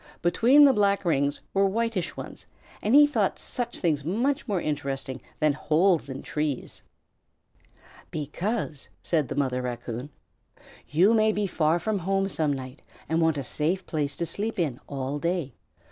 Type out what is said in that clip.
Between the black rings were whitish ones, and he thought such things much more interesting than holes in trees. "Because," said the Mother Raccoon, "you may be far from home some night and want a safe place to sleep in all day.